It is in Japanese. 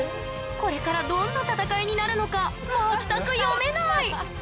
これからどんな戦いになるのか全く読めない！